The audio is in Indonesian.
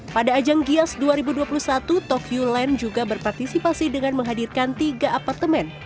pada ajang gias dua ribu dua puluh satu tokyo land juga berpartisipasi dengan menghadirkan tiga apartemen